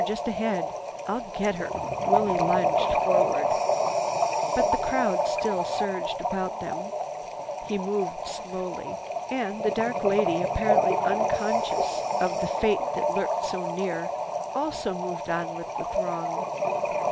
Just ahead! I'll get her." Willie lunged forward. But the crowd still surged about them. He moved slowly. And the dark lady, apparently unconscious of the fate that lurked so near, also moved on with the throng.